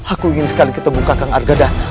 aku ingin sekali ketemu kakak harga dana